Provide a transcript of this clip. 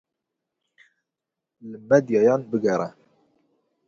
Li medyayan bigere.